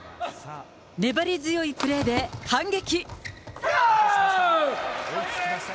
粘り強いプレーで反撃。